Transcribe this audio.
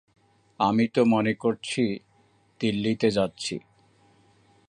আমি তো মনে করছি দিল্লিতে যাচ্ছি।